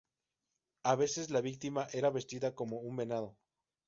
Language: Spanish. A veces la víctima era vestida como un venado.